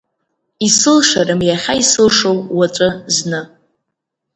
Исылшарым иахьа исылшо уаҵәы зны.